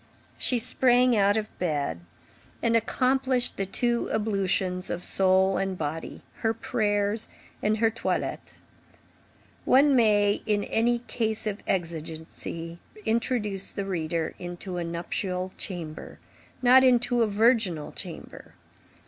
She sprang out of bed and accomplished the two ablutions of soul and body, her prayers and her toilet. One may, in a case of exigency, introduce the reader into a nuptial chamber, not into a virginal chamber.